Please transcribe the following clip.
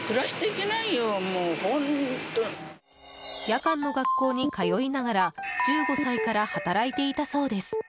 夜間の学校に通いながら１５歳から働いていたそうです。